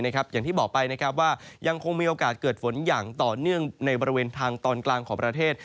อย่างที่บอกไปว่ายังคงมีโอกาสเกิดฝนอย่างต่อเนื่องในบริเวณทางตอนกลางของประเทศ